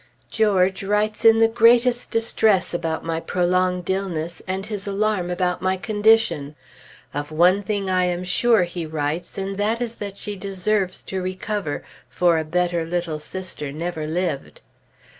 George writes in the greatest distress about my prolonged illness, and his alarm about my condition. "Of one thing I am sure," he writes, "and that is that she deserves to recover; for a better little sister never lived."